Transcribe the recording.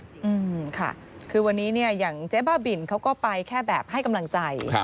อืมค่ะคือวันนี้เนี่ยอย่างเจ๊บ้าบินเขาก็ไปแค่แบบให้กำลังใจ